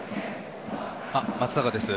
松坂です。